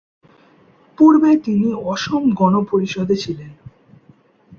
পূর্বে তিনি অসম গণ পরিষদে ছিলেন।